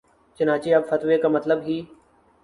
چنانچہ اب فتوے کا مطلب ہی